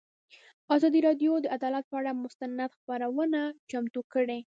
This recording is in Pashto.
ازادي راډیو د عدالت پر اړه مستند خپرونه چمتو کړې.